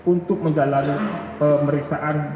untuk menjalani pemeriksaan